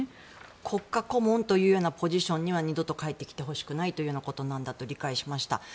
国家顧問というポジションに二度と帰ってきてほしくないと理解しました。